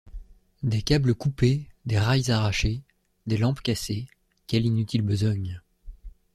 Des câbles coupés, des rails arrachés, des lampes cassées, quelle inutile besogne!